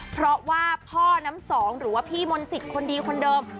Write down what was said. เพราะว่าพ่อน้ำสองหรือว่าพี่มนต์สิทธิ์คนดีคนเดิม